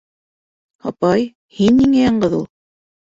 — Апай, һин ниңә яңғыҙ ул?